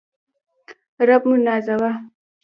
رب موونازوه